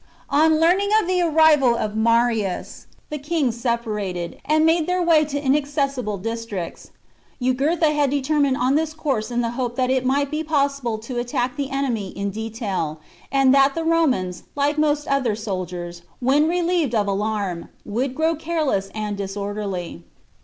On learning of the arrival of Marius, the kings separated, and made their way to inaccessible districts. Jugurtha had determined on this course in the hope that it might be possible to attack the enemy in detail, and that the Romans, like most other soldiers, when relieved of alarm, would grow careless and disorderly.